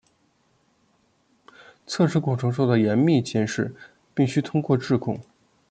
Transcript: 测试过程受到严密监视并须通过质控。